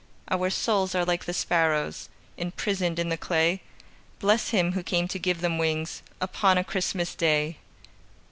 Our souls are like the sparrows Imprisoned in the clay, Bless Him who came to give them wings Upon a Christmas Day!